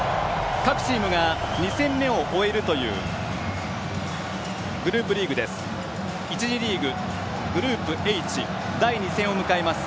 各チームが２戦目を終えるというグループリーグです。